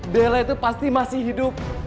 bella itu pasti masih hidup